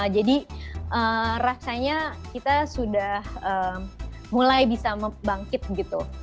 jadi rasanya kita sudah mulai bisa membangkit gitu